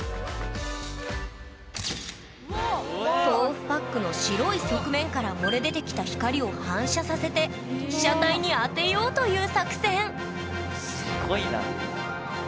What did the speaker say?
豆腐パックの白い側面から漏れ出てきた光を反射させて被写体に当てようという作戦すごいな。